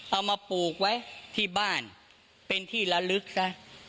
เอามาปลูกไว้ที่บ้านเป็นที่ละลึกซะ